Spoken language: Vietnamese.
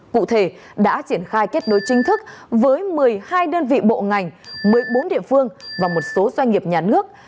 cụ thể đã triển khai kết nối chính thức với một mươi hai đơn vị bộ ngành một mươi bốn địa phương và một số doanh nghiệp nhà nước